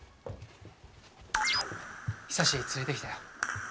久志連れてきたよ。